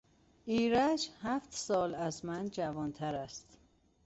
ایرج هفت سال از من جوانتر است.